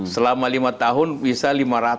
selama lima tahun bisa lima ratus